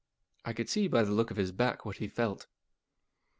I could see by the look of his back what he felt.